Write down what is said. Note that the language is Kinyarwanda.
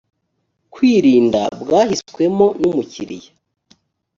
kwirinda bwahiswemo n umukiriya